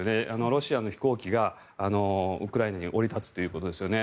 ロシアの飛行機がウクライナに降り立つということですよね。